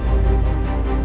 kamu orang asli